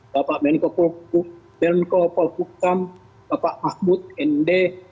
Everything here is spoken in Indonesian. bapak menko polpukam bapak mahmud nd